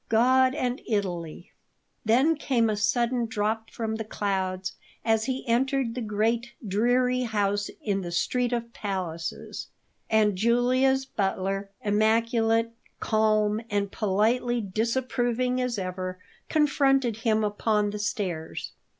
God and Italy Then came a sudden drop from the clouds as he entered the great, dreary house in the "Street of Palaces," and Julia's butler, immaculate, calm, and politely disapproving as ever, confronted him upon the stairs.